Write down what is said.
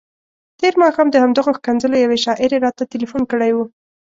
تېر ماښام د همدغو ښکنځلو یوې شاعرې راته تلیفون کړی وو.